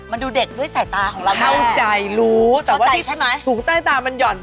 มันดูเด็กด้วยสายตาของเราแม่เข้าใจรู้เข้าใจใช่ไหมแต่ว่าที่สูงใต้ตามันหย่อน